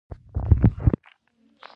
ځینې سمندرونه ډېر شور لري.